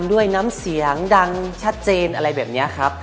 ด้วยน้ำเสียงดังชัดเจนอะไรแบบนี้ครับ